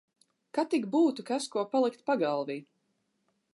Kad tik būtu kas ko palikt pagalvī.